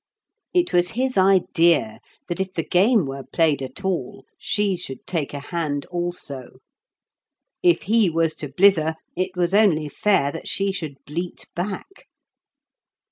It was his idea that if the game were played at all, she should take a hand also. If he was to blither, it was only fair that she should bleat back.